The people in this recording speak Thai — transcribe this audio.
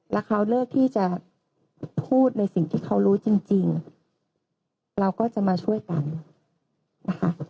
แล้วเขาเลิกที่จะพูดในสิ่งที่เขารู้จริงเราก็จะมาช่วยกันนะคะ